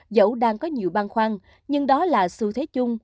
dẫu đang có nhiều băng khoăn nhưng đó là xu thế chung